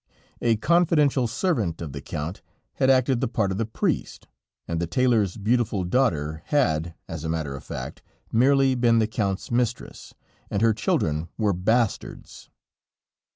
A confidential servant of the Count had acted the part of the priest, and the tailor's beautiful daughter had, as a matter of fact, merely been the Count's mistress, and her children were bastards.